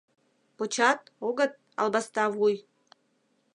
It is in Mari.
— Почат, огыт, албаста вуй?